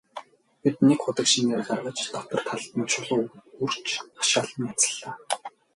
Бид нэг худаг шинээр гаргаж, дотор талд нь чулуу өрж хашаалан янзаллаа.